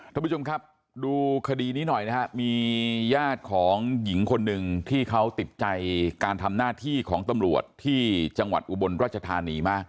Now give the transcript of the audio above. ท่านผู้ชมครับดูคดีนี้หน่อยนะฮะมีญาติของหญิงคนหนึ่งที่เขาติดใจการทำหน้าที่ของตำรวจที่จังหวัดอุบลราชธานีมาก